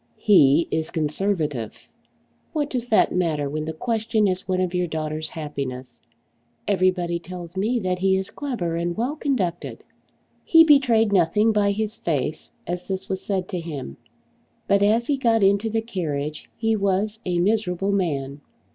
"He is Conservative!" "What does that matter when the question is one of your daughter's happiness? Everybody tells me that he is clever and well conducted." He betrayed nothing by his face as this was said to him. But as he got into the carriage he was a miserable man.